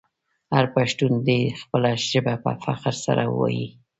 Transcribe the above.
هر پښتون دې خپله ژبه په فخر سره وویې.